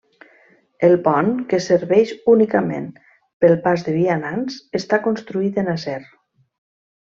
El pont, que serveix únicament pel pas de vianants, està construït en acer.